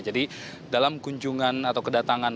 jadi dalam kunjungan atau kedatangan